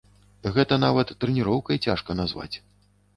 Гэта нават трэніроўкай цяжка назваць.